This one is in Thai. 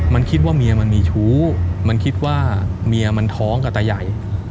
มันคิดว่าเมียมันมีชู้มันคิดว่าเมียมันท้องกับตาใหญ่